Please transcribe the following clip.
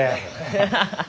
ハハハハ。